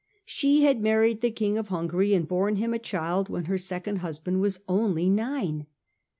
She had married the King of Hungary and borne him a child when her second husband was only nine.